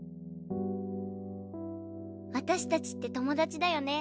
私たちって友達だよね